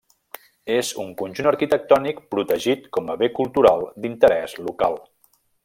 És un conjunt arquitectònic protegit com a Bé Cultural d'Interès Local.